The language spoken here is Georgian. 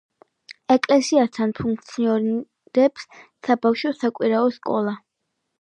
ეკლესიასთან ფუნქციონირებს საბავშვო საკვირაო სკოლა.